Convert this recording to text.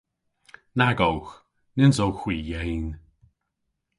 Nag owgh. Nyns owgh hwi yeyn.